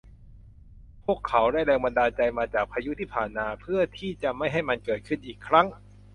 พวกเขาได้แรงบันดาลใจมาจากพายุที่ผ่านมา เพื่อที่จะไม่ให้มันเกิดขึ้นอีกครั้ง